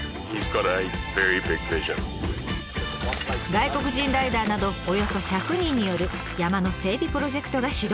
外国人ライダーなどおよそ１００人による山の整備プロジェクトが始動。